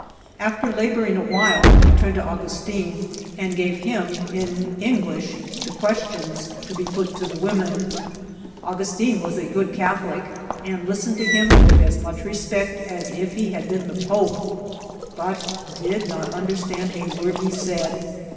After labouring a while, he turned to Augustin, and gave him in English the questions to put to the women. Angus* tin was a good Catholic, and listened to him with as A BAPTISM. 81 mnch respect as if he had been the pope, but did not understand a word he said.